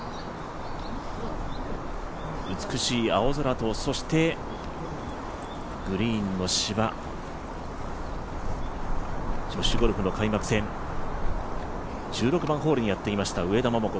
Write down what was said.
美しい青空とそしてグリーンの芝女子ゴルフの開幕戦、１６番ホールにやってきました上田桃子。